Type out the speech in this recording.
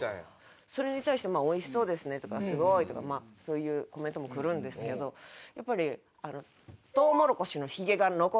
それに対して「美味しそうですね」とか「すごい」とかそういうコメントもくるんですけどやっぱり。